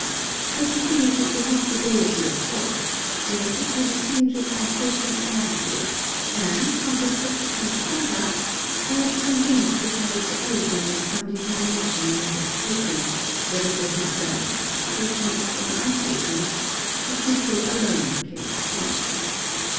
I perceived it was not the gaiety of force; yet it had a tinge of complacent melancholy; and, from his subsequent conduct, I am convinced it had its origin in some determination he had taken, whether for himself, fortunate or unfortunate, the sequel alone can explain.